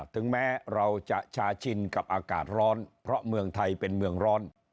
ถึงแม้เราจะชาชินกับอากาศร้อนเพราะเมืองไทยเป็นเมืองร้อน